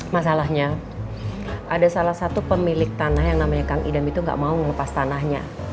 masalahnya ada salah satu pemilik tanah yang namanya kang idam itu gak mau melepas tanahnya